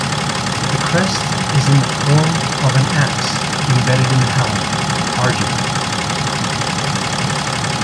The crest is in the form of an axe embedded in the helm, argent.